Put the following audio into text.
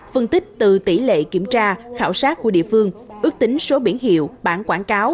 phân tích từ tỷ lệ kiểm tra khảo sát của địa phương ước tính số biển hiệu bản quảng cáo